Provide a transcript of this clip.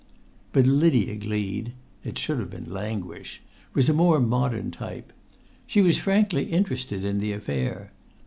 But Lydia Gleed—it should have been Languish—was a more modern type. She was frankly interested in the affair.